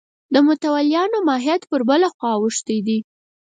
د متولیانو ماهیت پر بله خوا اوښتی دی.